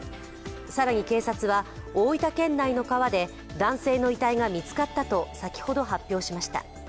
更に警察は、大分県内の川で男性の遺体が見つかったと、先ほど発表しました。